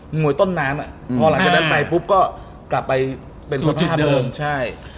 มวยต้นน้ำอ่ะพอหลังจากนั้นไปปุ๊บก็กลับไปเป็นสภาพเดิมใช่